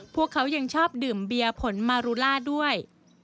พวกเขายังชอบดื่มเบียร์ผลมารูล่าด้วย